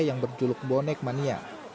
yang berjuluk bonek mania